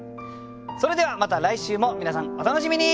それではまた来週も皆さんお楽しみに。